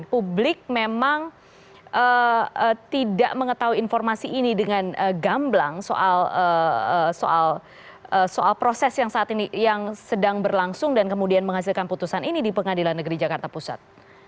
publik memang tidak mengetahui informasi ini dengan gamblang soal proses yang sedang berlangsung dan kemudian menghasilkan putusan ini di pengadilan negeri jakarta pusat